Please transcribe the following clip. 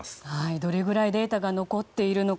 どれぐらいデータが残っているのか。